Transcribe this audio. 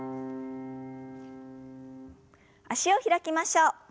脚を開きましょう。